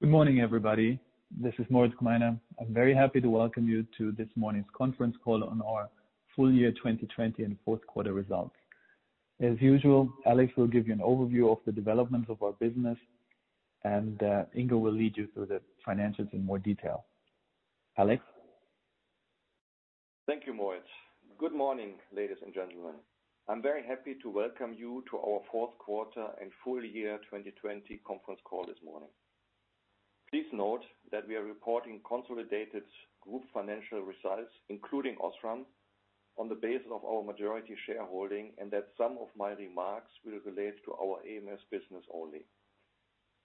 Good morning, everybody. This is Moritz Gmeiner. I am very happy to welcome you to this morning's conference call on our full year 2020 and fourth quarter results. As usual, Alex will give you an overview of the development of our business, and Ingo will lead you through the financials in more detail. Alex? Thank you, Moritz. Good morning, ladies and gentlemen. I am very happy to welcome you to our fourth quarter and full year 2020 conference call this morning. Please note that we are reporting consolidated group financial results, including OSRAM, on the basis of our majority shareholding, and that some of my remarks will relate to our ams business only.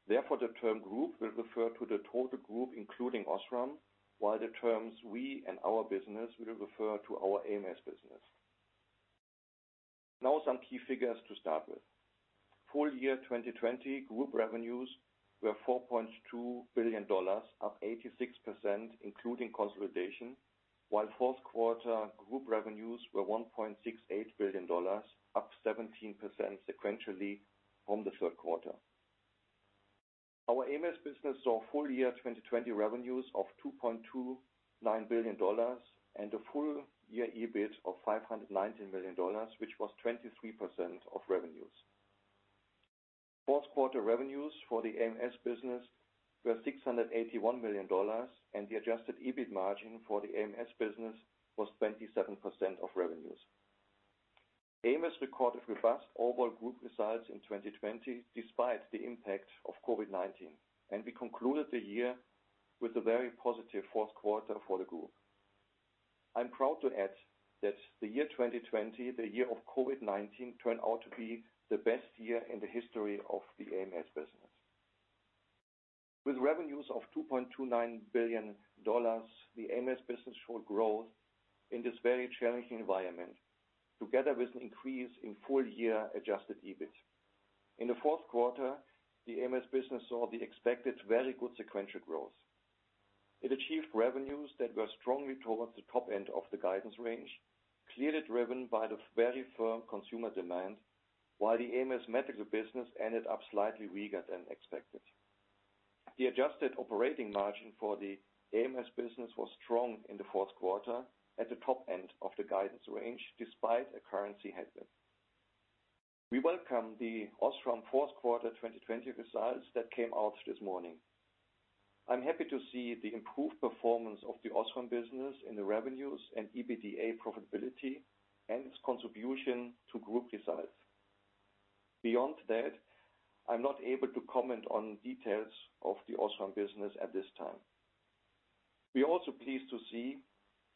Therefore, the term group will refer to the total group, including OSRAM, while the terms we and our business will refer to our ams business. Now, some key figures to start with. Full year 2020 group revenues were $4.2 billion, up 86%, including consolidation, while fourth quarter group revenues were $1.68 billion, up 17% sequentially from the third quarter. Our ams business saw full year 2020 revenues of $2.29 billion and a full year EBIT of $519 million, which was 23% of revenues. Fourth quarter revenues for the ams business were EUR 681 million, and the adjusted EBIT margin for the ams business was 27% of revenues. ams recorded robust overall group results in 2020 despite the impact of COVID-19, and we concluded the year with a very positive fourth quarter for the group. I'm proud to add that the year 2020, the year of COVID-19, turned out to be the best year in the history of the ams business. With revenues of $2.29 billion, the ams business showed growth in this very challenging environment, together with an increase in full-year adjusted EBIT. In the fourth quarter, the ams business saw the expected very good sequential growth. It achieved revenues that were strongly towards the top end of the guidance range, clearly driven by the very firm consumer demand, while the ams medical business ended up slightly weaker than expected. The adjusted operating margin for the ams business was strong in the fourth quarter at the top end of the guidance range, despite a currency headwind. We welcome the OSRAM fourth quarter 2020 results that came out this morning. I'm happy to see the improved performance of the OSRAM business in the revenues and EBITDA profitability and its contribution to group results. Beyond that, I'm not able to comment on details of the OSRAM business at this time. We are also pleased to see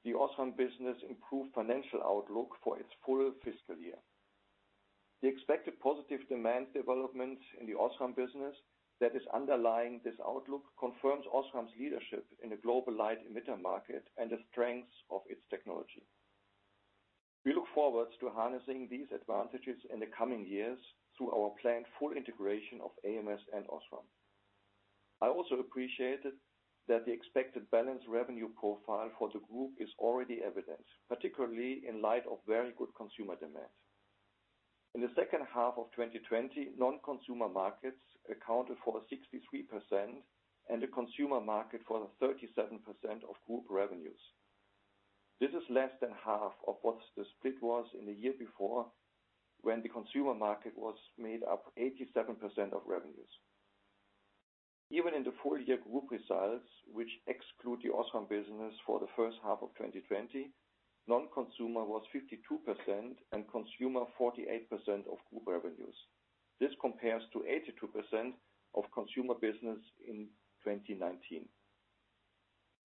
the OSRAM business improve financial outlook for its full fiscal year. The expected positive demand development in the OSRAM business that is underlying this outlook confirms OSRAM's leadership in the global light emitter market and the strengths of its technology. We look forward to harnessing these advantages in the coming years through our planned full integration of ams and OSRAM. I also appreciated that the expected balanced revenue profile for the group is already evident, particularly in light of very good consumer demand. In the second half of 2020, non-consumer markets accounted for 63% and the consumer market for 37% of group revenues. This is less than half of what the split was in the year before, when the consumer market was made up 87% of revenues. Even in the full-year group results, which exclude the OSRAM business for the first half of 2020, non-consumer was 52% and consumer 48% of group revenues. This compares to 82% of consumer business in 2019.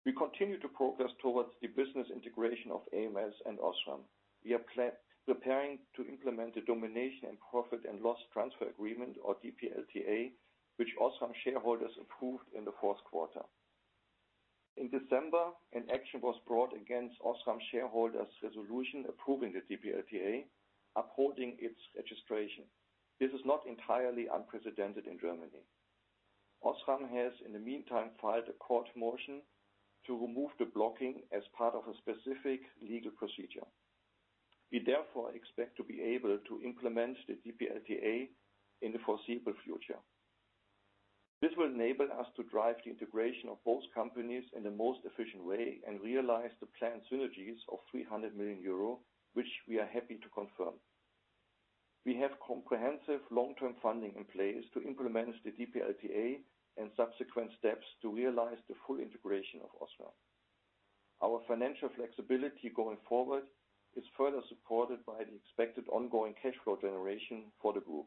We continue to progress towards the business integration of ams and OSRAM. We are preparing to implement the domination and profit and loss transfer agreement or DPLTA, which OSRAM shareholders approved in the fourth quarter. In December, an action was brought against OSRAM shareholders' resolution approving the DPLTA, upholding its registration. This is not entirely unprecedented in Germany. OSRAM has, in the meantime, filed a court motion to remove the blocking as part of a specific legal procedure. We, therefore, expect to be able to implement the DPLTA in the foreseeable future. This will enable us to drive the integration of both companies in the most efficient way and realize the planned synergies of 300 million euro, which we are happy to confirm. We have comprehensive long-term funding in place to implement the DPLTA and subsequent steps to realize the full integration of OSRAM. Our financial flexibility going forward is further supported by the expected ongoing cash flow generation for the group.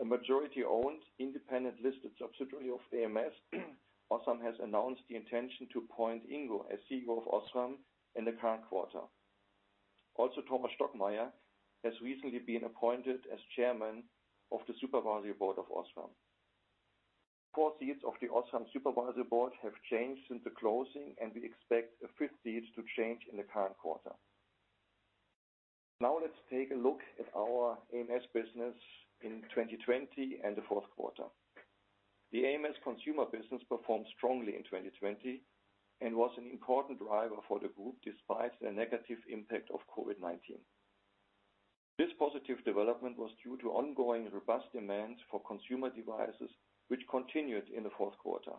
A majority-owned, independently listed subsidiary of ams, OSRAM, has announced the intention to appoint Ingo as CEO of OSRAM in the current quarter. Thomas Stockmeier has recently been appointed as Chairman of the Supervisory Board of OSRAM. Four seats of the OSRAM Supervisory Board have changed since the closing, and we expect a fifth seat to change in the current quarter. Let's take a look at our ams business in 2020 and the fourth quarter. The ams consumer business performed strongly in 2020 and was an important driver for the group despite the negative impact of COVID-19. This positive development was due to ongoing robust demands for consumer devices, which continued in the fourth quarter.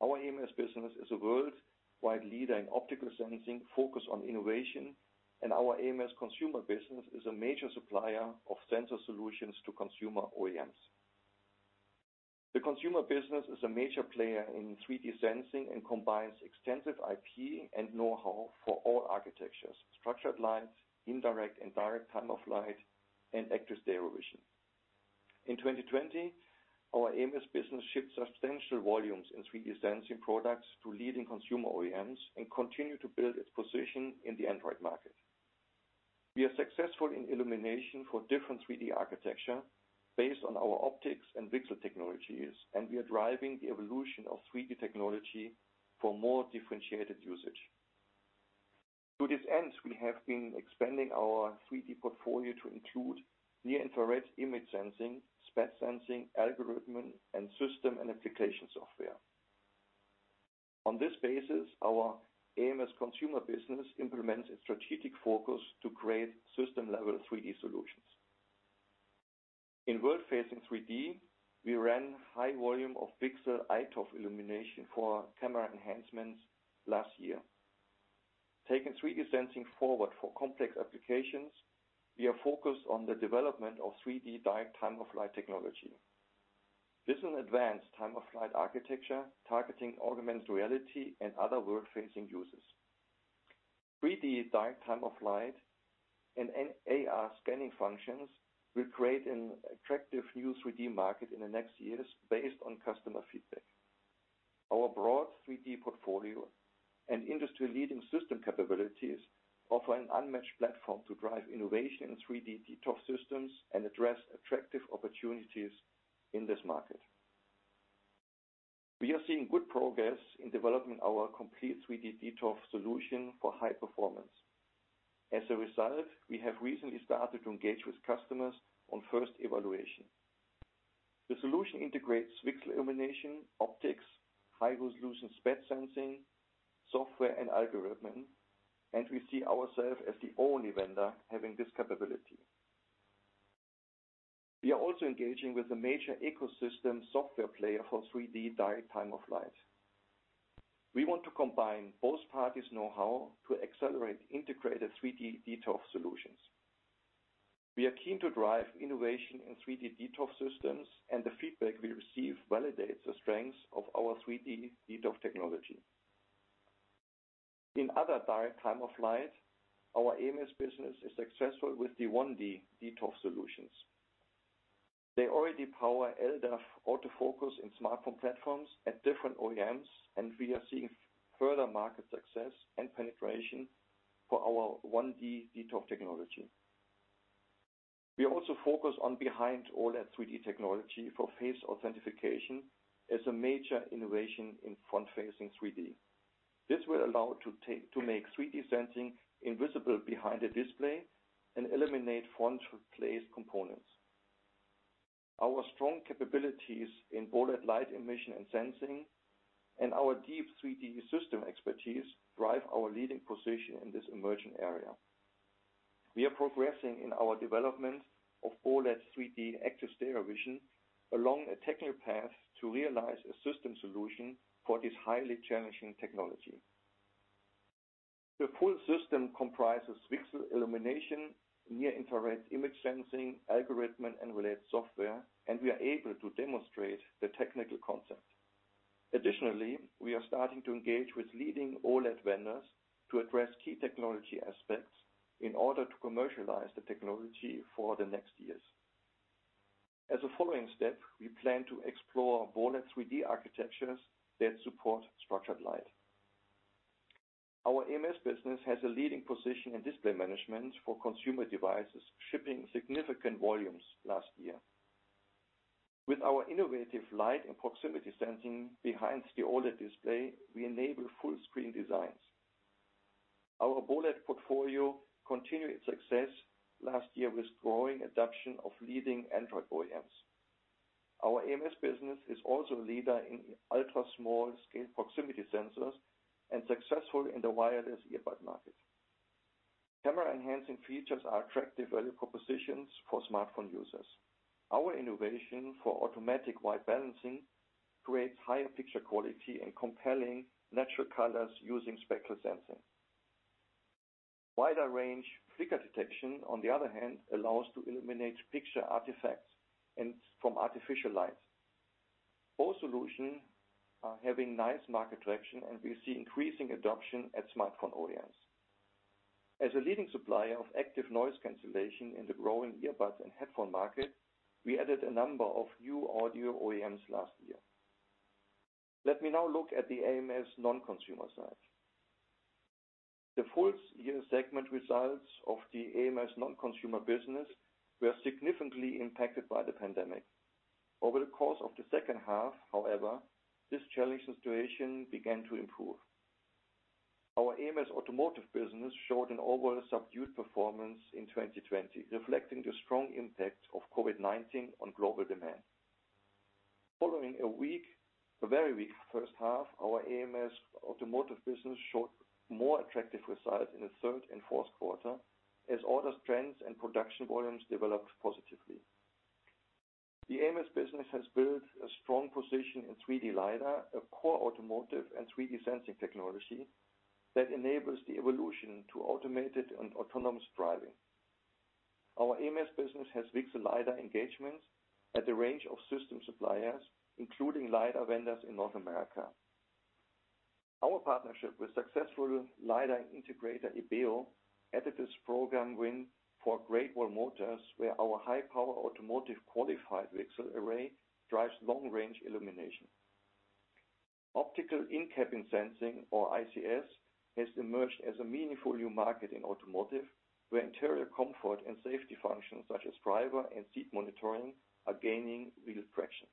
Our ams business is a worldwide leader in optical sensing focused on innovation, and our ams consumer business is a major supplier of sensor solutions to consumer OEMs. The consumer business is a major player in 3D sensing and combines extensive IP and know-how for all architectures, structured light, indirect and direct Time of Flight, and active stereo vision. In 2020, our ams business shipped substantial volumes in 3D sensing products to leading consumer OEMs and continued to build its position in the Android market. We are successful in illumination for different 3D architecture based on our optics and VCSEL technologies, and we are driving the evolution of 3D technology for more differentiated usage. To this end, we have been expanding our 3D portfolio to include near-infrared image sensing, SPAD sensing, algorithm, and system and application software. On this basis, our ams consumer business implements its strategic focus to create system-level 3D solutions. In world-facing 3D, we ran high volume of VCSEL iToF illumination for camera enhancements last year. Taking 3D sensing forward for complex applications, we are focused on the development of 3D direct time-of-flight technology. This is an advanced time-of-flight architecture targeting augmented reality and other world-facing uses. 3D direct time-of-flight and AR scanning functions will create an attractive new 3D market in the next years based on customer feedback. Our broad 3D portfolio and industry-leading system capabilities offer an unmatched platform to drive innovation in 3D ToF systems and address attractive opportunities in this market. We are seeing good progress in developing our complete 3D ToF solution for high performance. As a result, we have recently started to engage with customers on first evaluation. The solution integrates VCSEL illumination, optics, high-resolution SPAD sensing, software, and algorithm, and we see ourself as the only vendor having this capability. We are also engaging with a major ecosystem software player for 3D direct time-of-flight. We want to combine both parties' know-how to accelerate integrated 3D ToF solutions. We are keen to drive innovation in 3D ToF systems, and the feedback we receive validates the strengths of our 3D ToF technology. In other direct Time of Flight, our ams business is successful with the 1D dToF solutions. They already power LToF autofocus in smartphone platforms at different OEMs, and we are seeing further market success and penetration for our 1D dToF technology. We also focus on behind OLED 3D technology for face authentication as a major innovation in front-facing 3D. This will allow to make 3D sensing invisible behind the display and eliminate front-placed components. Our strong capabilities in OLED light emission and sensing and our deep 3D system expertise drive our leading position in this emerging area. We are progressing in our development of OLED 3D active stereo vision along a technical path to realize a system solution for this highly challenging technology. The full system comprises VCSEL illumination, near-infrared image sensing, algorithm, and related software, and we are able to demonstrate the technical concept. Additionally, we are starting to engage with leading OLED vendors to address key technology aspects in order to commercialize the technology for the next years. As a following step, we plan to explore OLED 3D architectures that support structured light. Our ams business has a leading position in display management for consumer devices, shipping significant volumes last year. With our innovative light and proximity sensing behind the OLED display, we enable full-screen designs. Our OLED portfolio continued success last year with growing adoption of leading Android OEMs. Our ams business is also a leader in ultra-small-scale proximity sensors and successful in the wireless earbud market. Camera-enhancing features are attractive value propositions for smartphone users. Our innovation for automatic white balancing creates higher picture quality and compelling natural colors using spectral sensing. Wider range flicker detection, on the other hand, allows to eliminate picture artifacts from artificial light. Both solutions are having nice market traction. We see increasing adoption at smartphone OEMs. As a leading supplier of active noise cancellation in the growing earbuds and headphone market, we added a number of new audio OEMs last year. Let me now look at the ams non-consumer side. The full year segment results of the ams non-consumer business were significantly impacted by the pandemic. Over the course of the second half, however, this challenging situation began to improve. Our ams Automotive business showed an overall subdued performance in 2020, reflecting the strong impact of COVID-19 on global demand. Following a very weak first half, our ams Automotive business showed more attractive results in the third and fourth quarter, as order trends and production volumes developed positively. The ams business has built a strong position in 3D LiDAR, a core automotive and 3D sensing technology that enables the evolution to automated and autonomous driving. Our ams business has VCSEL LiDAR engagements at a range of system suppliers, including LiDAR vendors in North America. Our partnership with successful LiDAR integrator, Ibeo, added this program win for Great Wall Motors, where our high-power automotive qualified VCSEL array drives long-range illumination. Optical in-cabin sensing, or ICS, has emerged as a meaningful new market in automotive, where interior comfort and safety functions such as driver and seat monitoring are gaining real traction.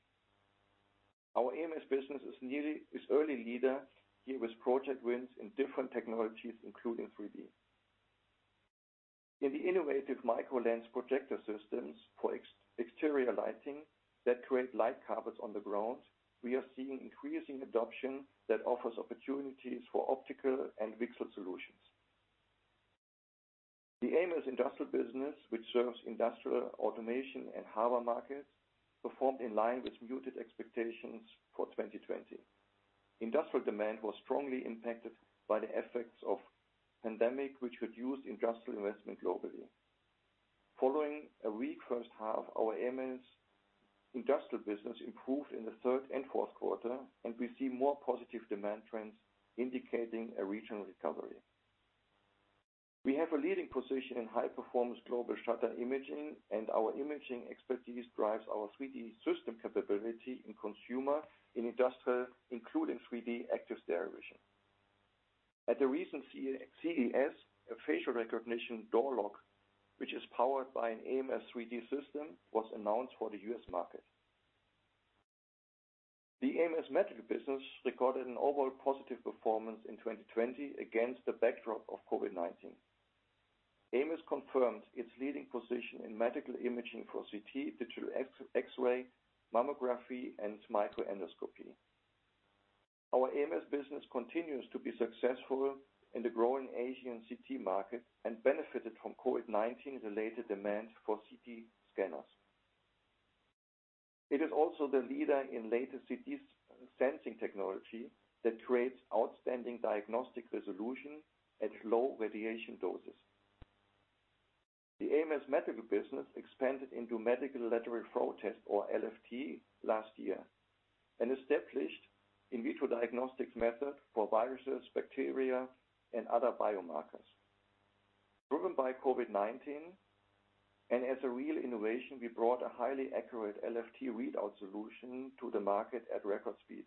Our ams business is early leader here with project wins in different technologies, including 3D. In the innovative micro-lens projector systems for exterior lighting that create light carpets on the ground, we are seeing increasing adoption that offers opportunities for optical and VCSEL solutions. The ams Industrial business, which serves industrial automation and HABA markets, performed in line with muted expectations for 2020. Industrial demand was strongly impacted by the effects of pandemic, which reduced industrial investment globally. Following a weak first half, our ams industrial business improved in the third and fourth quarter. We see more positive demand trends indicating a regional recovery. We have a leading position in high-performance global shutter imaging. Our imaging expertise drives our 3D system capability in consumer and industrial, including 3D active stereo vision. At the recent CES, a facial recognition door lock, which is powered by an ams 3D system, was announced for the U.S. market. The ams medical business recorded an overall positive performance in 2020 against the backdrop of COVID-19. ams confirms its leading position in medical imaging for CT, digital X-ray, mammography, and micro endoscopy. Our ams business continues to be successful in the growing Asian CT market and benefited from COVID-19 related demand for CT scanners. It is also the leader in latest CT sensing technology that creates outstanding diagnostic resolution at low radiation doses. The ams medical business expanded into medical lateral flow test, or LFT, last year, and established in-vitro diagnostics method for viruses, bacteria, and other biomarkers. Driven by COVID-19, and as a real innovation, we brought a highly accurate LFT readout solution to the market at record speed.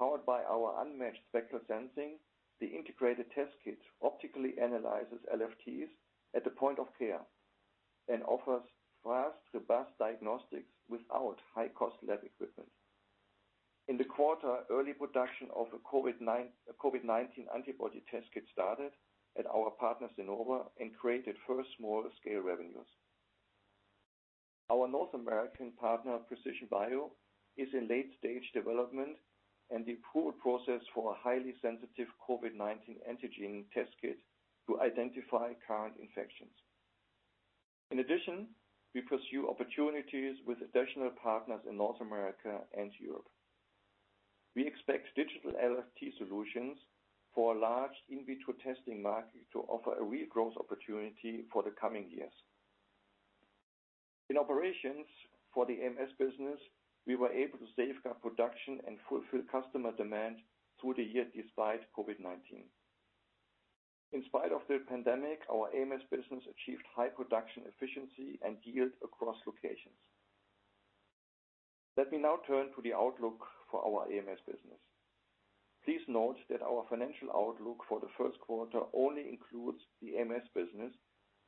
Powered by our unmatched spectral sensing, the integrated test kit optically analyzes LFTs at the point of care and offers fast, robust diagnostics without high-cost lab equipment. In the quarter, early production of a COVID-19 antibody test kit started at our partner, Senova, and created first small-scale revenues. Our North American partner, Precision Biomonitoring, is in late-stage development and the approval process for a highly sensitive COVID-19 antigen test kit to identify current infections. In addition, we pursue opportunities with additional partners in North America and Europe. We expect digital LFT solutions for a large in-vitro testing market to offer a real growth opportunity for the coming years. In operations for the ams business, we were able to safeguard production and fulfill customer demand through the year despite COVID-19. In spite of the pandemic, our ams business achieved high production efficiency and yield across locations. Let me now turn to the outlook for our ams business. Please note that our financial outlook for the first quarter only includes the ams business,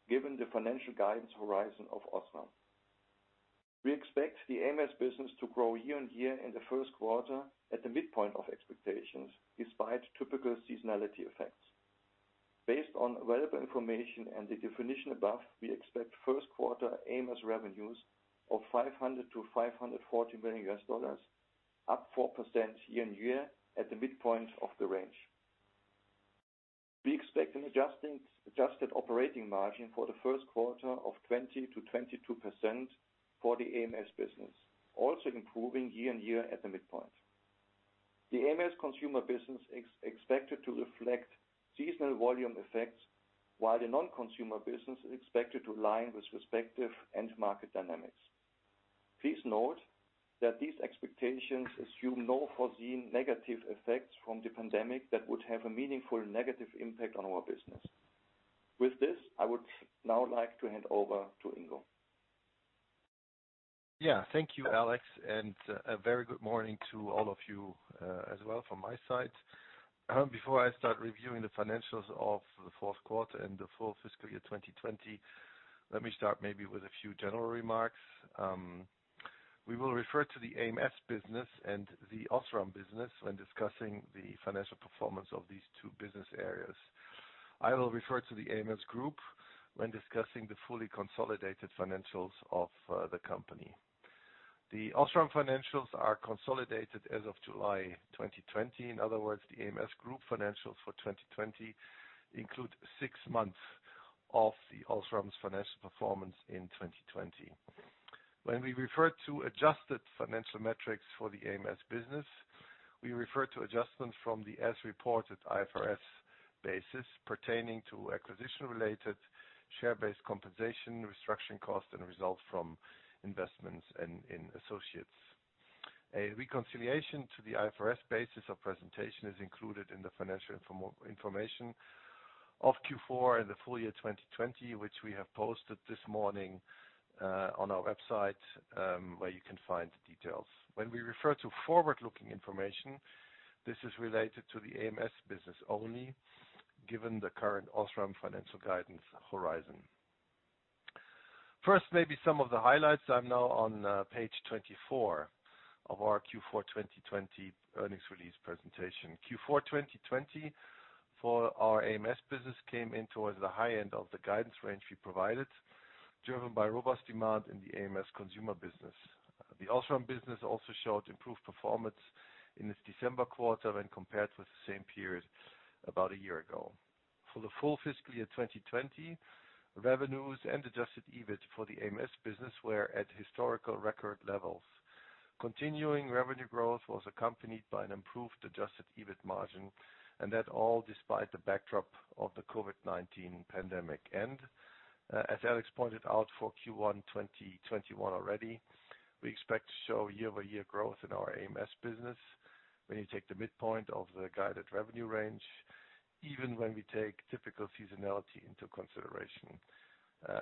given the financial guidance horizon of OSRAM. We expect the ams business to grow year-on-year in the first quarter at the midpoint of expectations, despite typical seasonality effects. Based on available information and the definition above, we expect first quarter ams revenues of $500 million-$540 million, up 4% year-on-year at the midpoint of the range. We expect an adjusted operating margin for the first quarter of 20%-22% for the ams business, also improving year-on-year at the midpoint. The ams consumer business is expected to reflect seasonal volume effects, while the non-consumer business is expected to align with respective end market dynamics. Please note that these expectations assume no foreseen negative effects from the pandemic that would have a meaningful negative impact on our business. With this, I would now like to hand over to Ingo. Yeah. Thank you, Alex, and a very good morning to all of you, as well from my side. Before I start reviewing the financials of the fourth quarter and the full fiscal year 2020, let me start maybe with a few general remarks. We will refer to the ams business and the OSRAM business when discussing the financial performance of these two business areas. I will refer to the ams Group when discussing the fully consolidated financials of the company. The OSRAM financials are consolidated as of July 2020. In other words, the ams Group financials for 2020 include six months of the OSRAM's financial performance in 2020. When we refer to adjusted financial metrics for the ams business, we refer to adjustments from the as-reported IFRS basis pertaining to acquisition-related share-based compensation, restructuring costs, and results from investments in associates. A reconciliation to the IFRS basis of presentation is included in the financial information of Q4 and the full year 2020, which we have posted this morning on our website, where you can find the details. When we refer to forward-looking information, this is related to the ams business only, given the current OSRAM financial guidance horizon. First, maybe some of the highlights. I'm now on page 24 of our Q4 2020 earnings release presentation. Q4 2020 for our ams business came in towards the high end of the guidance range we provided, driven by robust demand in the ams Consumer business. The OSRAM business also showed improved performance in its December quarter when compared with the same period about a year ago. For the full fiscal year 2020, revenues and adjusted EBIT for the ams business were at historical record levels. Continuing revenue growth was accompanied by an improved adjusted EBIT margin, and that all despite the backdrop of the COVID-19 pandemic. As Alex pointed out for Q1 2021 already, we expect to show year-over-year growth in our ams business when you take the midpoint of the guided revenue range, even when we take typical seasonality into consideration.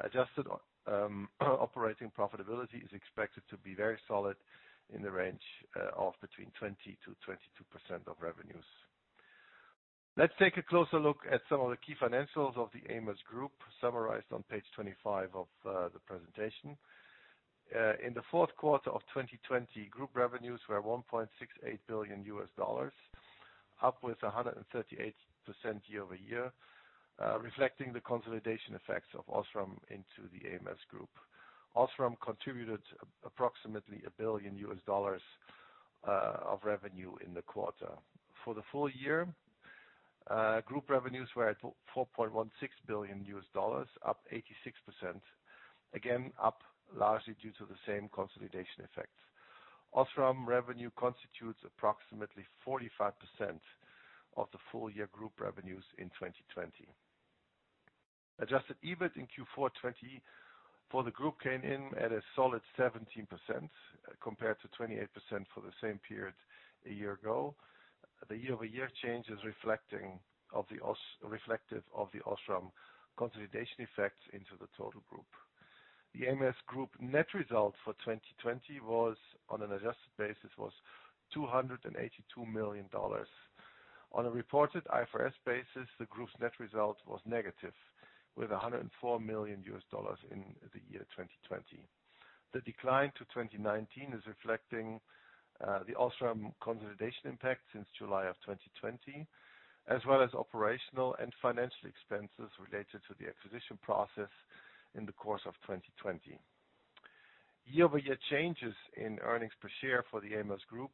Adjusted operating profitability is expected to be very solid in the range of between 20%-22% of revenues. Let's take a closer look at some of the key financials of the ams Group summarized on page 25 of the presentation. In the fourth quarter of 2020, group revenues were $1.68 billion, up with 138% year-over-year, reflecting the consolidation effects of OSRAM into the ams Group. OSRAM contributed approximately $1 billion of revenue in the quarter. For the full year, group revenues were at $4.16 billion, up 86%, again, up largely due to the same consolidation effects. OSRAM revenue constitutes approximately 45% of the full-year group revenues in 2020. Adjusted EBIT in Q4 2020 for the group came in at a solid 17% compared to 28% for the same period a year ago. The year-over-year change is reflective of the OSRAM consolidation effects into the total group. The ams Group net result for 2020 on an adjusted basis was $282 million. On a reported IFRS basis, the group's net result was negative with $104 million in the year 2020. The decline to 2019 is reflecting the OSRAM consolidation impact since July 2020, as well as operational and financial expenses related to the acquisition process in the course of 2020. Year-over-year changes in earnings per share for the ams Group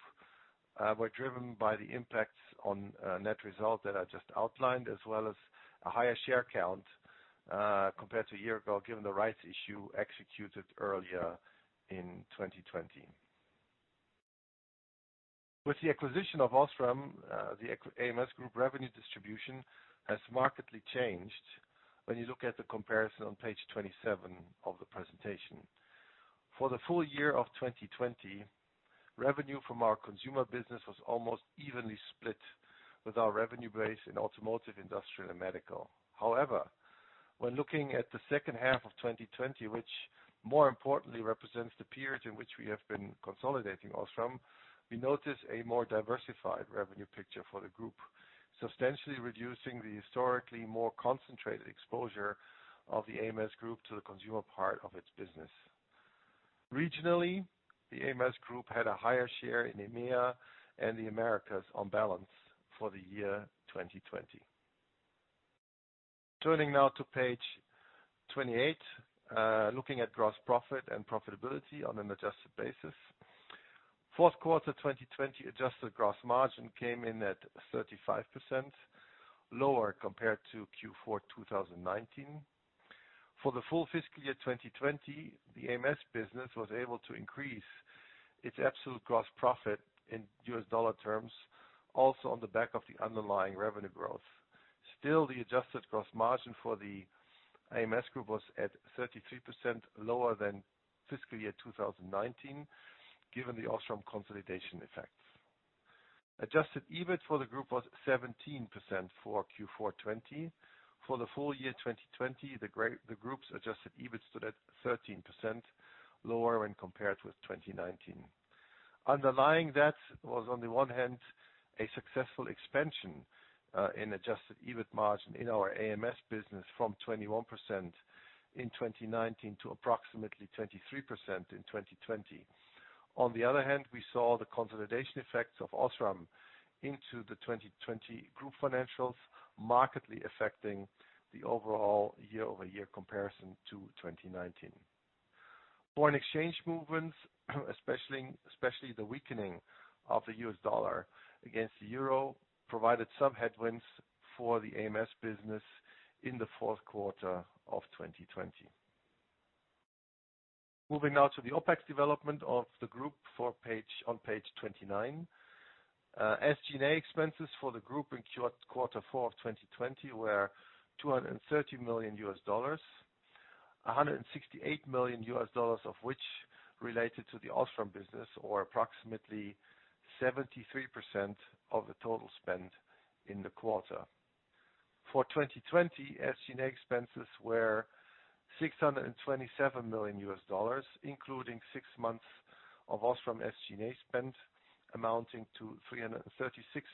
were driven by the impacts on net result that I just outlined, as well as a higher share count, compared to a year ago, given the rights issue executed earlier in 2020. With the acquisition of OSRAM, the ams Group revenue distribution has markedly changed when you look at the comparison on page 27 of the presentation. For the full year of 2020, revenue from our Consumer business was almost evenly split with our revenue base in Automotive, Industrial, and Medical. When looking at the second half of 2020, which more importantly represents the period in which we have been consolidating OSRAM, we notice a more diversified revenue picture for the group, substantially reducing the historically more concentrated exposure of the ams Group to the consumer part of its business. Regionally, the ams Group had a higher share in EMEA and the Americas on balance for the year 2020. Turning now to page 28, looking at gross profit and profitability on an adjusted basis. Fourth quarter 2020 adjusted gross margin came in at 35%, lower compared to Q4 2019. For the full fiscal year 2020, the ams business was able to increase its absolute gross profit in US dollar terms, also on the back of the underlying revenue growth. The adjusted gross margin for the ams Group was at 33% lower than fiscal year 2019, given the OSRAM consolidation effects. Adjusted EBIT for the Group was 17% for Q4 2020. For the full year 2020, the group's adjusted EBIT stood at 13%, lower when compared with 2019. Underlying that was on the one hand, a successful expansion in adjusted EBIT margin in our ams business from 21% in 2019 to approximately 23% in 2020. On the other hand, we saw the consolidation effects of OSRAM into the 2020 group financials markedly affecting the overall year-over-year comparison to 2019. Foreign exchange movements, especially the weakening of the U.S. dollar against the euro, provided some headwinds for the ams business in the fourth quarter of 2020. Moving now to the OpEx development of the group on page 29. SG&A expenses for the group in quarter four of 2020 were $230 million, $168 million of which related to the OSRAM business, or approximately 73% of the total spend in the quarter. For 2020, SG&A expenses were $627 million, including six months of OSRAM SG&A spend amounting to $336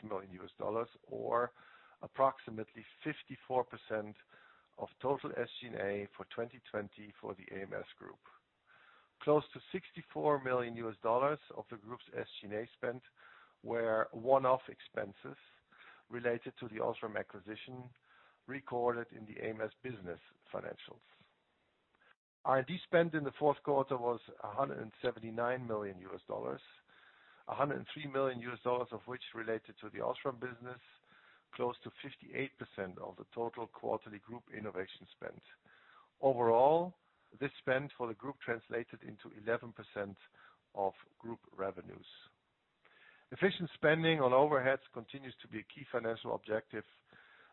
million, or approximately 54% of total SG&A for 2020 for the ams group. Close to $64 million of the group's SG&A spend were one-off expenses related to the OSRAM acquisition recorded in the ams business financials. R&D spend in the fourth quarter was $179 million, $103 million of which related to the OSRAM business, close to 58% of the total quarterly group innovation spend. This spend for the group translated into 11% of group revenues. Efficient spending on overheads continues to be a key financial objective,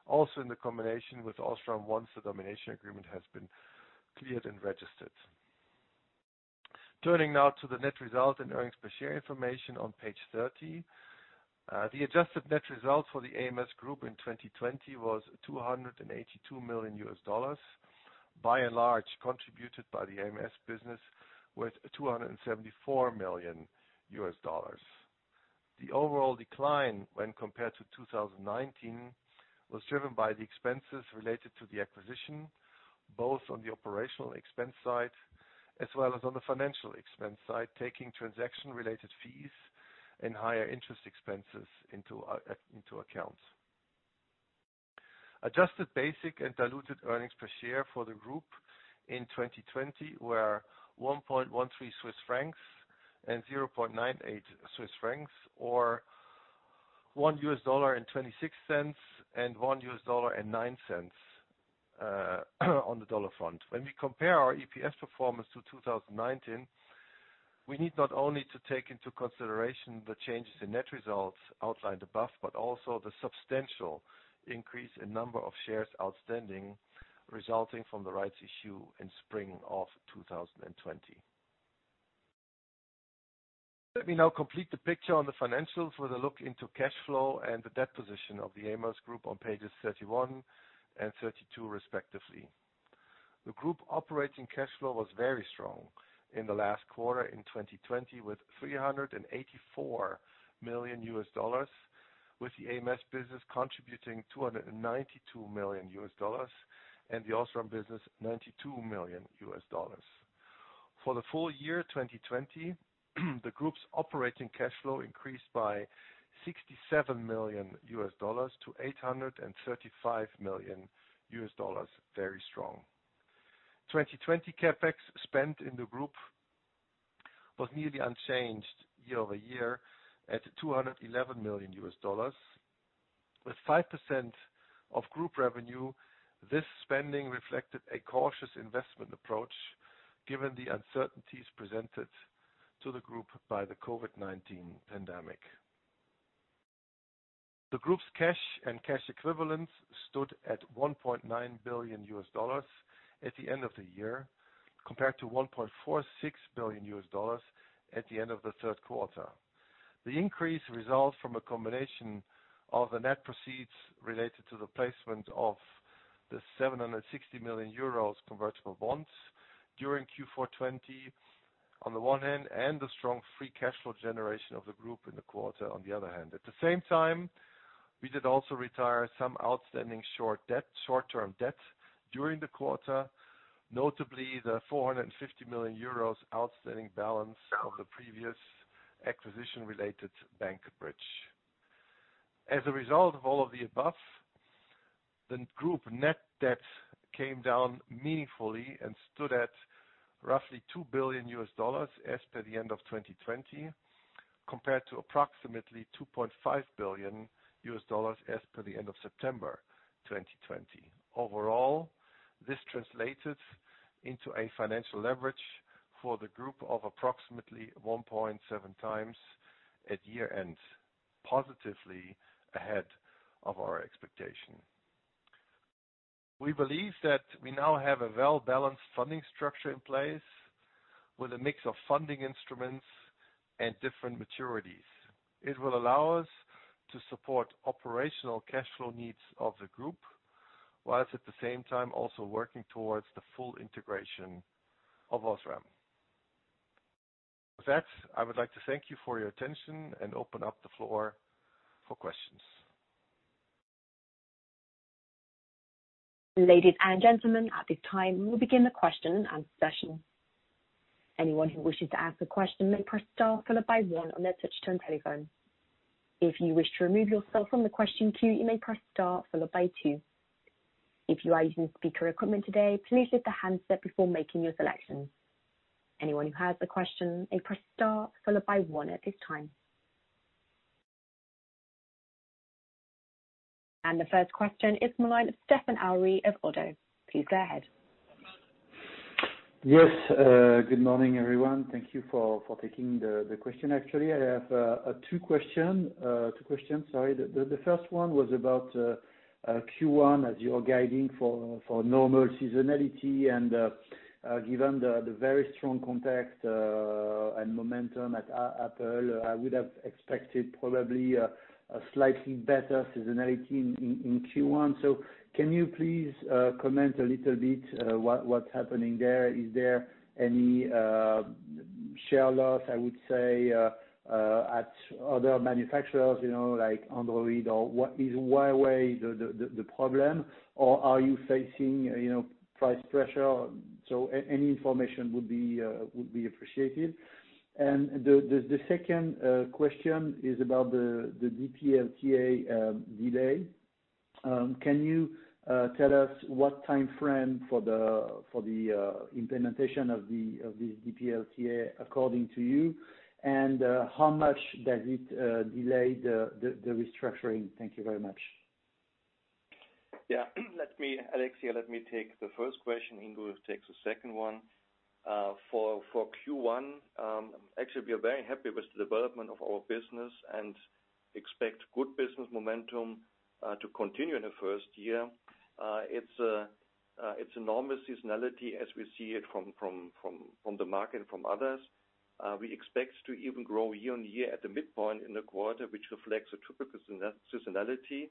also in the combination with OSRAM once the Domination Agreement has been cleared and registered. Turning now to the net result and earnings per share information on page 30. The adjusted net results for the ams group in 2020 was $282 million, by and large, contributed by the ams business with $274 million. The overall decline when compared to 2019 was driven by the expenses related to the acquisition, both on the operational expense side as well as on the financial expense side, taking transaction-related fees and higher interest expenses into account. Adjusted basic and diluted earnings per share for the group in 2020 were 1.13 Swiss francs and 0.98 Swiss francs, or $1.26 and $1.09 on the dollar front. When we compare our EPS performance to 2019, we need not only to take into consideration the changes in net results outlined above, but also the substantial increase in number of shares outstanding resulting from the rights issue in spring of 2020. Let me now complete the picture on the financials with a look into cash flow and the debt position of the ams group on pages 31 and 32, respectively. The group operating cash flow was very strong in the last quarter in 2020 with $384 million, with the ams business contributing $292 million and the OSRAM business $92 million. For the full year 2020, the group's operating cash flow increased by $67 million-$835 million. Very strong. 2020 CapEx spend in the group was nearly unchanged year-over-year at $211 million. With 5% of group revenue, this spending reflected a cautious investment approach given the uncertainties presented to the group by the COVID-19 pandemic. The group's cash and cash equivalents stood at $1.9 billion at the end of the year, compared to $1.46 billion at the end of the third quarter. The increase results from a combination of the net proceeds related to the placement of the 760 million euros convertible bonds during Q4 2020 on the one hand, and the strong free cash flow generation of the group in the quarter, on the other hand. At the same time, we did also retire some outstanding short-term debt during the quarter, notably the 450 million euros outstanding balance of the previous acquisition-related bank bridge. As a result of all of the above, the group net debt came down meaningfully and stood at roughly $2 billion as per the end of 2020, compared to approximately $2.5 billion as per the end of September 2020. Overall, this translated into a financial leverage for the group of approximately 1.7x at year end, positively ahead of our expectation. We believe that we now have a well-balanced funding structure in place with a mix of funding instruments and different maturities. It will allow us to support operational cash flow needs of the group. While at the same time also working towards the full integration of OSRAM. With that, I would like to thank you for your attention and open up the floor for questions. Ladies and gentlemen, at this time, we'll begin the question-and-answer session. anyone who wishes to ask a question may press star followed by one on your touch-tone telephone. if you wish to remove yourself from the question queue, you may press star followed by two. if you are using a speaker equipment today please lift the handset before making your selection. anyone to ask a question press star followed by one at this time. The first question is the line of Stéphane Houri of ODDO. Please go ahead. Yes, good morning, everyone. Thank you for taking the question. Actually, I have two question. The first one was about Q1 as you're guiding for normal seasonality and given the very strong contact and momentum at Apple, I would have expected probably a slightly better seasonality in Q1. Can you please comment a little bit what's happening there? Is there any share loss, I would say, at other manufacturers, like Android, or is Huawei the problem or are you facing price pressure? Any information would be appreciated. The second question is about the DPLTA delay. Can you tell us what timeframe for the implementation of the DPLTA according to you? How much does it delay the restructuring? Thank you very much. Yeah. Alex here, let me take the first question, Ingo will take the second one. For Q1, actually we are very happy with the development of our business and expect good business momentum to continue in the first year. It's a normal seasonality as we see it from the market, from others. We expect to even grow year-over-year at the midpoint in the quarter, which reflects a typical seasonality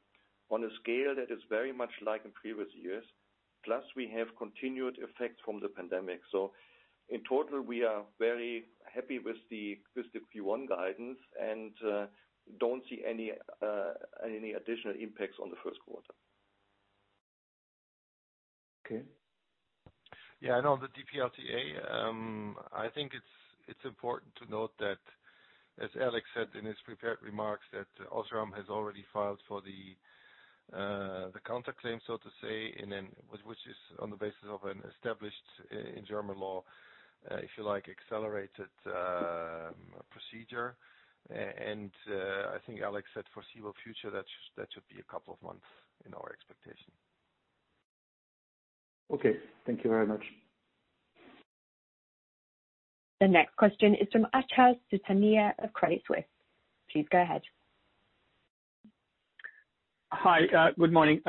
on a scale that is very much like in previous years. We have continued effects from the pandemic. In total, we are very happy with the Q1 guidance and don't see any additional impacts on the first quarter. Okay. Yeah, I know the DPLTA. I think it's important to note that, as Alex said in his prepared remarks, that OSRAM has already filed for the counter-claim, so to say, which is on the basis of an established in German law, if you like, accelerated procedure. I think Alex said foreseeable future, that should be a couple of months in our expectation. Okay. Thank you very much. The next question is from Achal Sultania of Credit Suisse. Please go ahead. Hi. Good morning.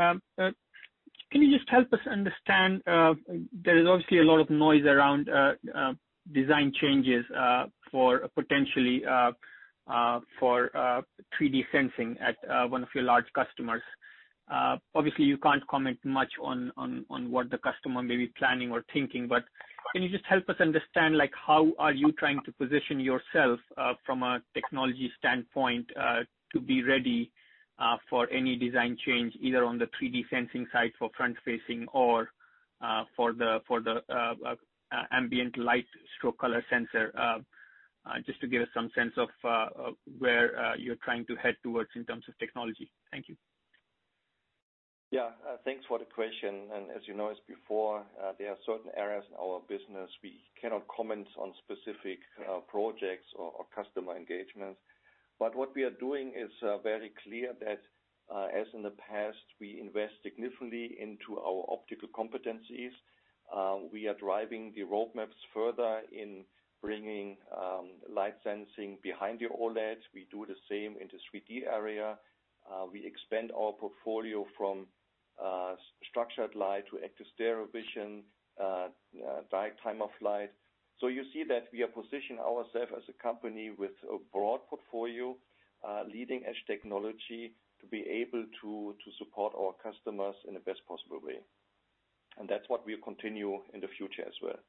Can you just help us understand, there is obviously a lot of noise around design changes for potentially for 3D sensing at one of your large customers. You can't comment much on what the customer may be planning or thinking, but can you just help us understand how are you trying to position yourself, from a technology standpoint, to be ready for any design change, either on the 3D sensing side for front-facing or for the ambient light and color sensor? Just to give us some sense of where you're trying to head towards in terms of technology. Thank you. Yeah. Thanks for the question. As you noticed before, there are certain areas in our business we cannot comment on specific projects or customer engagements. What we are doing is very clear that, as in the past, we invest significantly into our optical competencies. We are driving the roadmaps further in bringing light sensing behind the OLED. We do the same in the 3D area. We expand our portfolio from structured light to active stereo vision, direct time-of-flight. You see that we are positioned ourself as a company with a broad portfolio, leading-edge technology to be able to support our customers in the best possible way. That's what we'll continue in the future as well.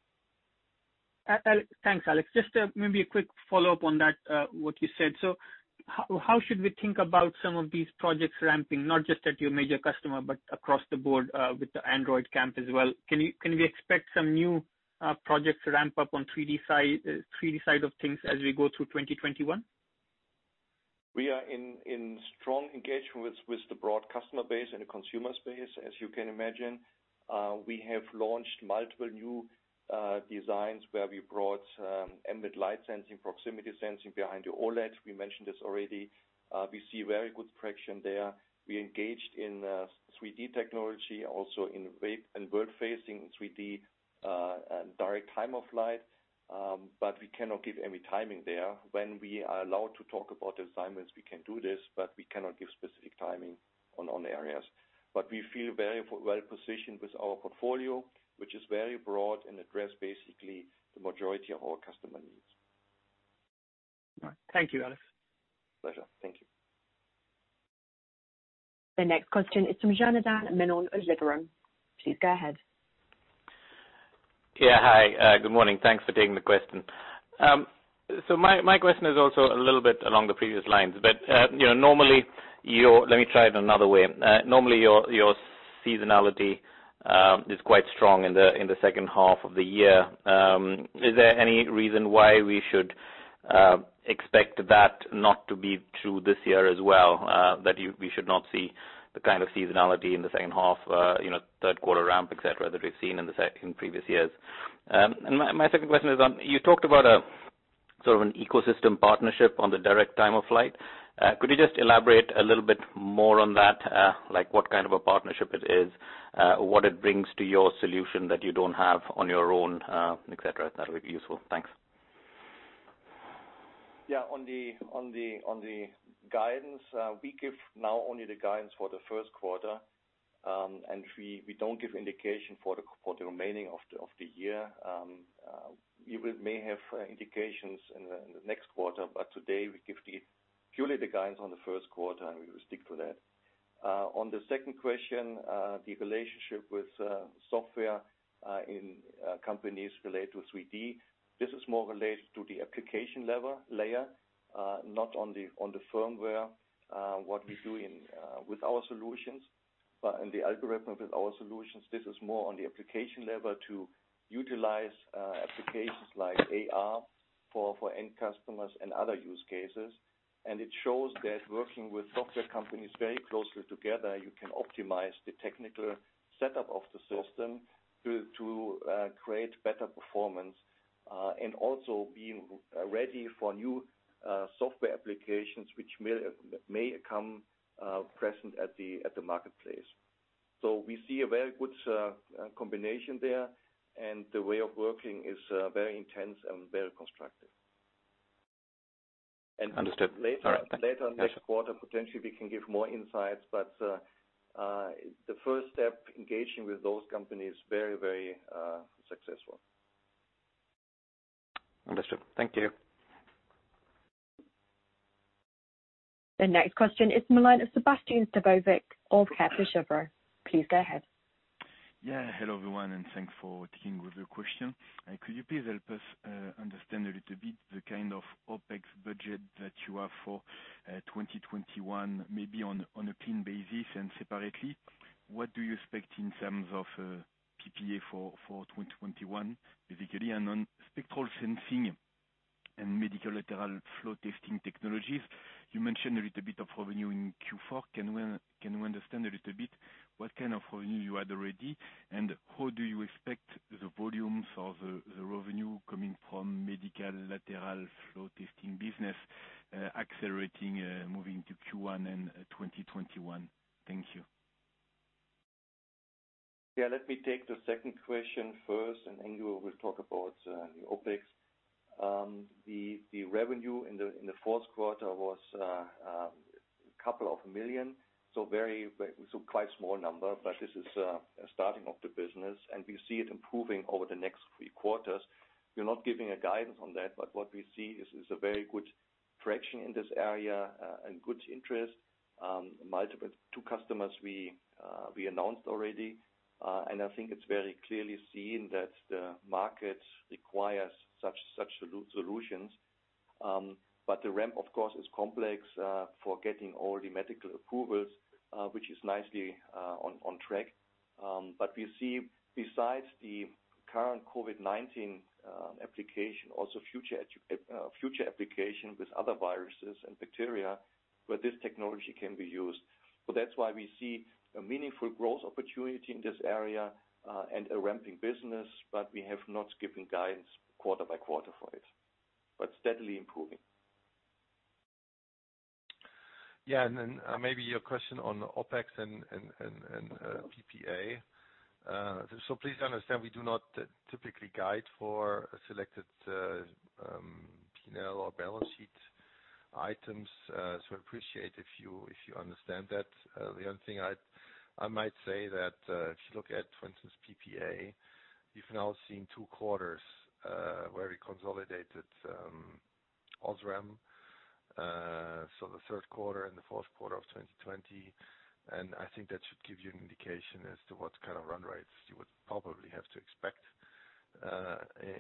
Thanks, Alex. Just maybe a quick follow-up on that, what you said. How should we think about some of these projects ramping, not just at your major customer, but across the board with the Android camp as well? Can we expect some new projects to ramp up on 3D side of things as we go through 2021? We are in strong engagement with the broad customer base and the consumer space, as you can imagine. We have launched multiple new designs where we brought ambient light sensing, proximity sensing behind the OLED. We mentioned this already. We see very good traction there. We engaged in 3D sensing, also in world-facing 3D and direct Time of Flight. We cannot give any timing there. When we are allowed to talk about assignments, we can do this, but we cannot give specific timing on areas. We feel very well-positioned with our portfolio, which is very broad and address basically the majority of our customer needs. Thank you, Alex. Pleasure. Thank you. The next question is from Janardan Menon of Liberum. Please go ahead. Yeah. Hi, good morning. Thanks for taking the question. My question is also a little bit along the previous lines, but let me try it another way. Normally, your seasonality is quite strong in the second half of the year. Is there any reason why we should expect that not to be true this year as well, that we should not see the kind of seasonality in the second half, third quarter ramp, et cetera, that we've seen in previous years? My second question is on, you talked about sort of an ecosystem partnership on the direct Time-of-Flight. Could you just elaborate a little bit more on that, like what kind of a partnership it is, what it brings to your solution that you don't have on your own, et cetera? That'll be useful. Thanks. On the guidance, we give now only the guidance for the first quarter, and we don't give indication for the remaining of the year. We will may have indications in the next quarter, today we give purely the guidance on the first quarter, and we will stick to that. On the second question, the relationship with software in companies related to 3D. This is more related to the application layer, not on the firmware, what we do with our solutions. In the algorithm with our solutions, this is more on the application level to utilize applications like AR for end customers and other use cases. It shows that working with software companies very closely together, you can optimize the technical setup of the system to create better performance. Also being ready for new software applications which may come present at the marketplace. We see a very good combination there, and the way of working is very intense and very constructive. Understood. All right. Thank you. Later in the quarter, potentially we can give more insights, but the first step, engaging with those companies, very successful. Understood. Thank you. The next question is Sébastien Sztabowicz of Kepler Cheuvreux. Please go ahead. Hello, everyone, and thanks for taking the question. Could you please help us understand a little bit the kind of OpEx budget that you have for 2021, maybe on a clean basis and separately? What do you expect in terms of PPA for 2021, basically? On spectral sensing and medical lateral flow testing technologies, you mentioned a little bit of revenue in Q4. Can we understand a little bit what kind of revenue you had already? How do you expect the volumes of the revenue coming from medical lateral flow testing business accelerating, moving to Q1 and 2021? Thank you. Let me take the second question first, and then Ingo talk about the OpEx. The revenue in the fourth quarter was two million. Quite small number, but this is a starting of the business, and we see it improving over the next three quarters. We're not giving a guidance on that, but what we see is a very good traction in this area, and good interest. Two customers we announced already. I think it's very clearly seen that the market requires such solutions. The ramp, of course, is complex for getting all the medical approvals, which is nicely on track. We see besides the current COVID-19 application, also future application with other viruses and bacteria where this technology can be used. That's why we see a meaningful growth opportunity in this area, and a ramping business. We have not given guidance quarter by quarter for it. Steadily improving. Yeah. Maybe your question on OpEx and PPA. Please understand, we do not typically guide for selected P&L or balance sheet items. Appreciate if you understand that. The only thing I might say that if you look at, for instance, PPA, you've now seen two quarters where we consolidated OSRAM. The third quarter and the fourth quarter of 2020. I think that should give you an indication as to what kind of run rates you would probably have to expect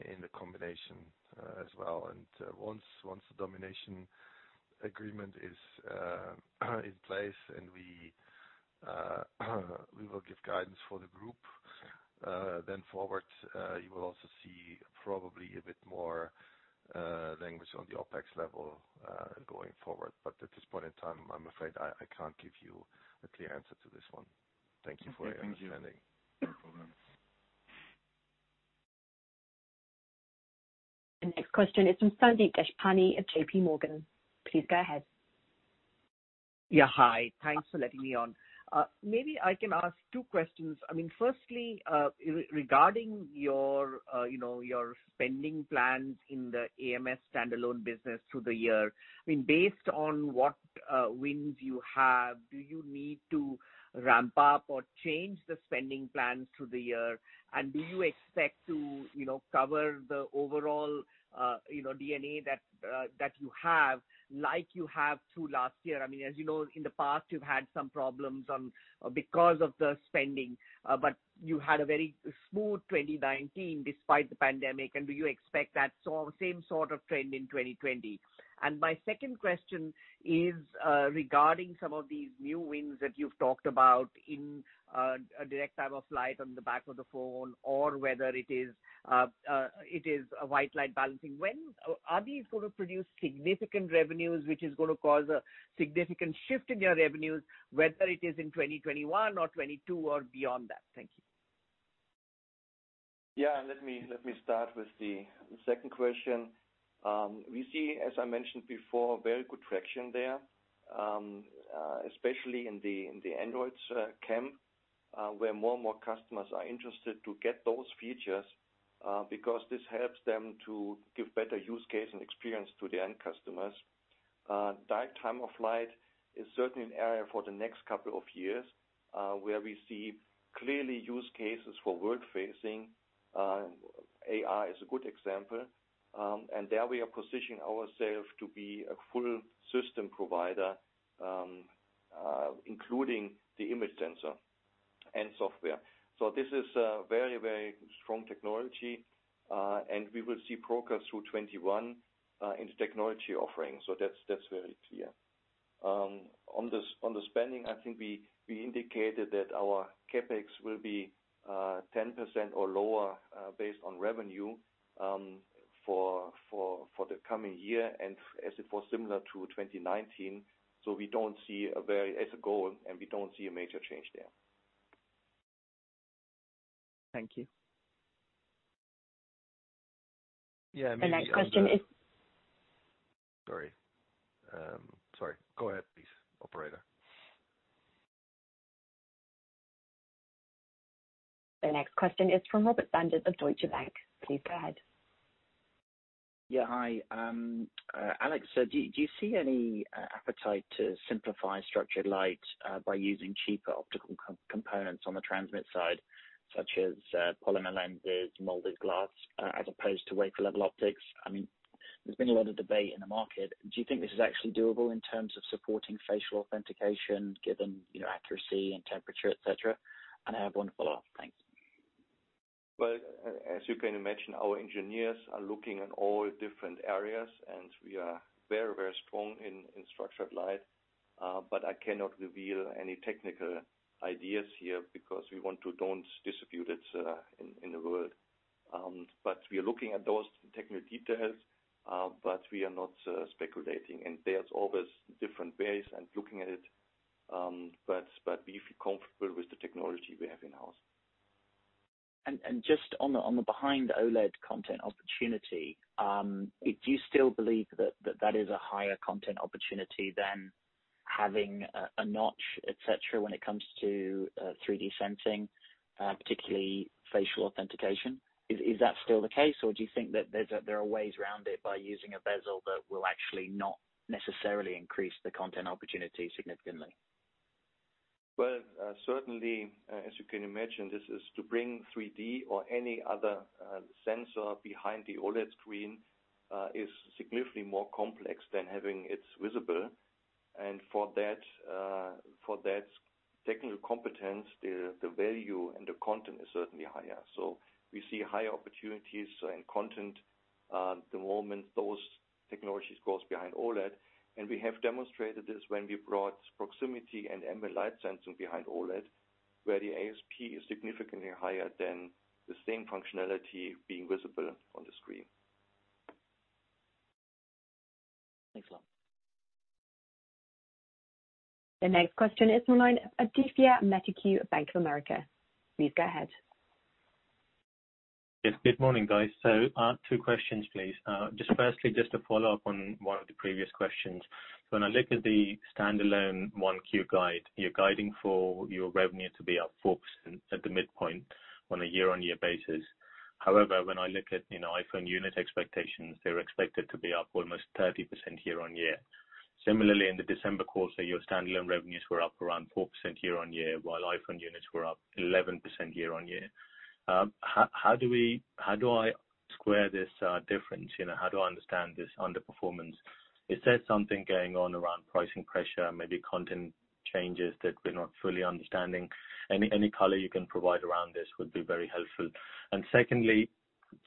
in the combination as well. Once the domination agreement is in place and we will give guidance for the group then forward. You will also see probably a bit more language on the OpEx level going forward. At this point in time, I'm afraid I can't give you a clear answer to this one. Thank you for your understanding. Thank you. No problem. The next question is from Sandeep Deshpande of JPMorgan. Please go ahead. Yeah. Hi. Thanks for letting me on. Maybe I can ask two questions. Firstly, regarding your spending plans in the ams standalone business through the year. Based on what wins you have, do you need to ramp up or change the spending plans through the year? Do you expect to cover the overall D&A that you have, like you have through last year? As you know, in the past, you've had some problems because of the spending. You had a very smooth 2019 despite the pandemic, do you expect that same sort of trend in 2020? My second question is regarding some of these new wins that you've talked about in direct Time of Flight on the back of the phone, or whether it is a white balancing. Are these going to produce significant revenues, which is going to cause a significant shift in your revenues, whether it is in 2021 or 2022, or beyond that? Thank you. Yeah. Let me start with the second question. We see, as I mentioned before, very good traction there, especially in the Android camp, where more and more customers are interested to get those features because this helps them to give better use case and experience to the end customers. direct time-of-flight is certainly an area for the next couple of years, where we see clearly use cases for world-facing. AR is a good example. There we are positioning ourself to be a full system provider, including the image sensor and software. This is a very strong technology, and we will see progress through 2021 in the technology offering. That's very clear. On the spending, I think we indicated that our CapEx will be 10% or lower based on revenue for the coming year and as it was similar to 2019. We don't see As a goal, and we don't see a major change there. Thank you. Yeah. The next question is. Sorry. Sorry. Go ahead please, operator. The next question is from Robert Sanders of Deutsche Bank. Please go ahead. Yeah. Hi. Alex, do you see any appetite to simplify structured light by using cheaper optical components on the transmit side, such as polymer lenses, molded glass as opposed to wafer level optics? There's been a lot of debate in the market. Do you think this is actually doable in terms of supporting facial authentication given accuracy and temperature, et cetera? I have one follow-up. Thanks. Well, as you can imagine, our engineers are looking at all different areas, and we are very, very strong in structured light. I cannot reveal any technical ideas here because we want to don't distribute it in the world. We are looking at those technical details. We are not speculating. There's always different ways and looking at it. We feel comfortable with the technology we have in-house. Just on the behind the OLED content opportunity, do you still believe that is a higher content opportunity than having a notch, et cetera, when it comes to 3D sensing, particularly facial authentication? Is that still the case, or do you think that there are ways around it by using a bezel that will actually not necessarily increase the content opportunity significantly? Well, certainly, as you can imagine, this is to bring 3D or any other sensor behind the OLED screen is significantly more complex than having it visible. For that technical competence, the value and the content is certainly higher. We see higher opportunities in content the moment those technologies goes behind OLED. We have demonstrated this when we brought proximity and ambient light sensing behind OLED, where the ASP is significantly higher than the same functionality being visible on the screen. Thanks a lot. The next question is from Adithya Metuku, Bank of America. Please go ahead. Yes, good morning, guys. Two questions, please. Firstly, to follow up on one of the previous questions. When I look at the standalone 1Q guide, you're guiding for your revenue to be up 4% at the midpoint on a year-on-year basis. However, when I look at iPhone unit expectations, they're expected to be up almost 30% year-on-year. Similarly, in the December quarter, your standalone revenues were up around 4% year-on-year, while iPhone units were up 11% year-on-year. How do I square this difference? How do I understand this underperformance? Is there something going on around pricing pressure, maybe content changes that we're not fully understanding? Any color you can provide around this would be very helpful. Secondly,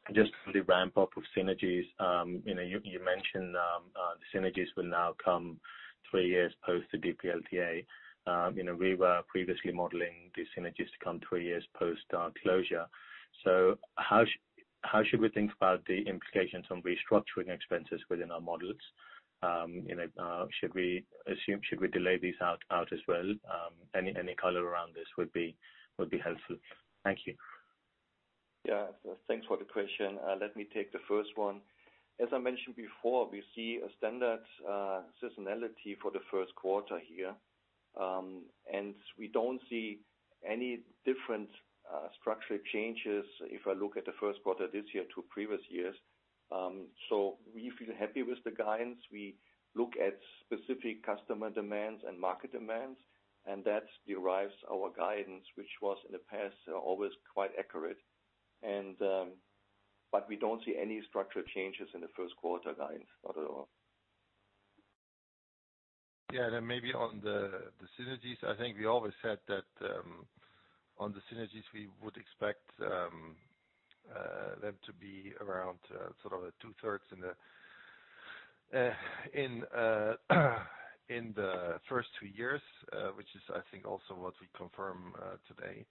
on the ramp-up of synergies. You mentioned synergies will now come three years post the DPLTA. We were previously modeling the synergies to come three years post closure. How should we think about the implications on restructuring expenses within our models? Should we delay these out as well? Any color around this would be helpful. Thank you. Yeah. Thanks for the question. Let me take the first one. As I mentioned before, we see a standard seasonality for the first quarter here. We don't see any different structural changes if I look at the first quarter this year to previous years. We feel happy with the guidance. We look at specific customer demands and market demands, and that derives our guidance, which was, in the past, always quite accurate. We don't see any structural changes in the first quarter guidance at all. Yeah. Maybe on the synergies, I think we always said that on the synergies, we would expect them to be around 2/3 in the first two years, which is I think also what we confirm today.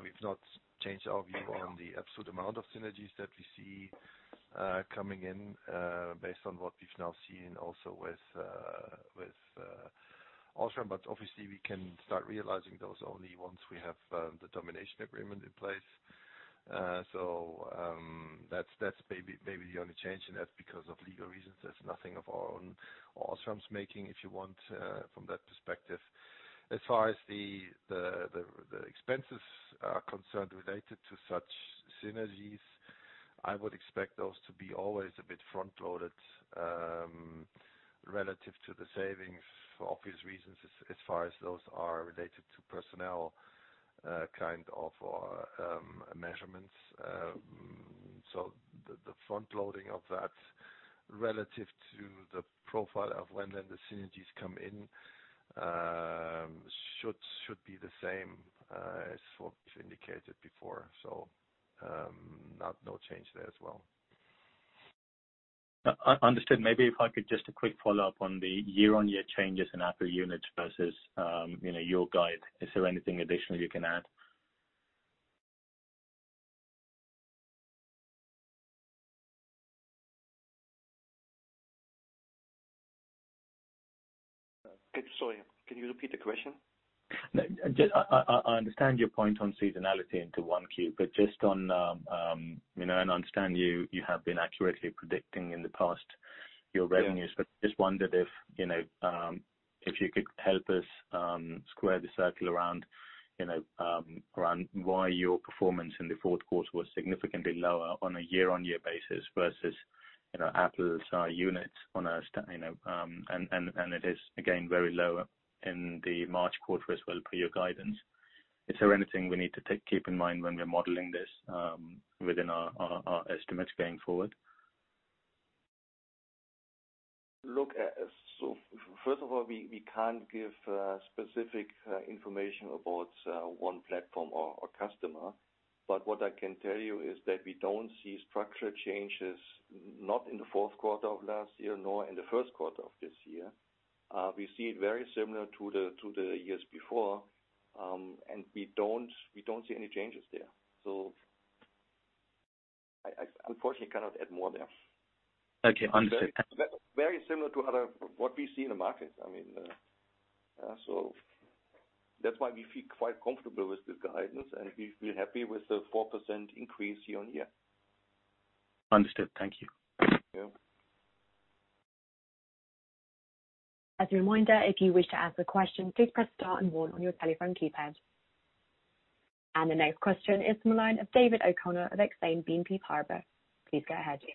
We've not changed our view on the absolute amount of synergies that we see coming in based on what we've now seen also with OSRAM. Obviously, we can start realizing those only once we have the Domination Agreement in place. That's maybe the only change in that because of legal reasons. That's nothing of our own, OSRAM's making, if you want, from that perspective. As far as the expenses are concerned related to such synergies, I would expect those to be always a bit front-loaded relative to the savings for obvious reasons, as far as those are related to personnel kind of measurements. The front-loading of that relative to the profile of when then the synergies come in should be the same as what we've indicated before. No change there as well. Understood. Maybe if I could just a quick follow-up on the year-on-year changes in Apple units versus your guide. Is there anything additional you can add? Sorry, can you repeat the question? No. I understand your point on seasonality into 1Q, and I understand you have been accurately predicting in the past your revenues. Yeah. Just wondered if you could help us square the circle around why your performance in the fourth quarter was significantly lower on a year-on-year basis versus Apple's units. It is again very low in the March quarter as well per your guidance. Is there anything we need to keep in mind when we're modeling this within our estimates going forward? Look, first of all, we can't give specific information about one platform or customer. What I can tell you is that we don't see structure changes, not in the fourth quarter of last year, nor in the first quarter of this year. We see it very similar to the years before, and we don't see any changes there. I unfortunately cannot add more there. Okay. Understood. Very similar to what we see in the market. That's why we feel quite comfortable with this guidance, and we feel happy with the 4% increase year-on-year. Understood. Thank you. Yeah. As a reminder, if you wish to ask a question, please press star and one on your telephone keypad. The next question is from the line of David O'Connor of Exane BNP Paribas. Please go ahead, David.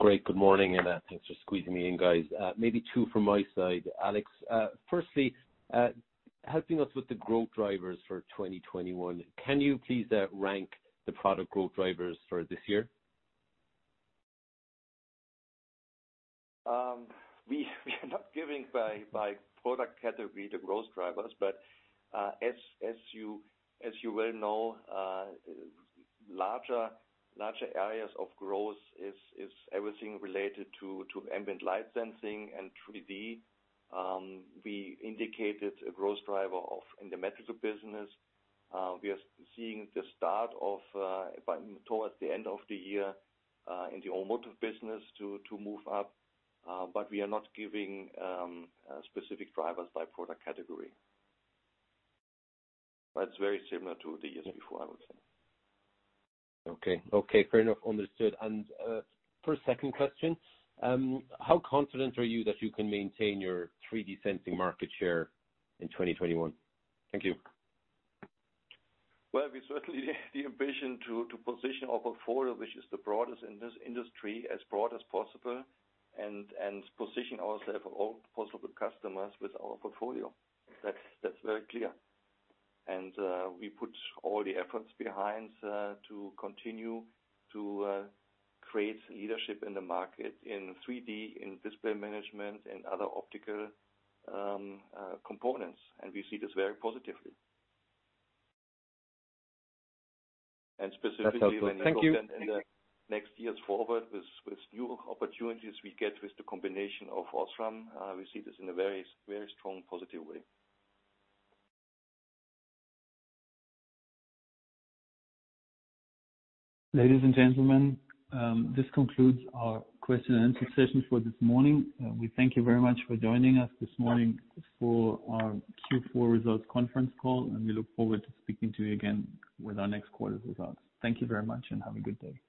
Great. Good morning. Thanks for squeezing me in, guys. Maybe two from my side. Alex, firstly, helping us with the growth drivers for 2021, can you please rank the product growth drivers for this year? We are not giving by product category the growth drivers. As you well know, larger areas of growth is everything related to ambient light sensing and 3D. We indicated a growth driver in the medical business. We are seeing the start towards the end of the year in the automotive business to move up. We are not giving specific drivers by product category. It's very similar to the years before, I would say. Okay. Fair enough. Understood. For a second question, how confident are you that you can maintain your 3D sensing market share in 2021? Thank you. Well, we certainly have the ambition to position our portfolio, which is the broadest in this industry, as broad as possible, and position ourselves for all possible customers with our portfolio. That's very clear. We put all the efforts behind to continue to create leadership in the market in 3D, in display management, and other optical components, and we see this very positively. That's helpful. Thank you. Specifically, when we look in the next years forward with new opportunities we get with the combination of OSRAM, we see this in a very strong, positive way. Ladies and gentlemen, this concludes our question-and-answer session for this morning. We thank you very much for joining us this morning for our Q4 results conference call, and we look forward to speaking to you again with our next quarter's results. Thank you very much and have a good day.